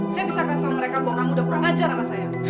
saya bisa memberitahu mereka bahwa kamu sudah kurang ajar pada saya